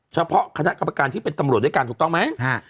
เฉพาะคณะกรรมการที่เป็นตำรวจด้วยกันถูกต้องไหม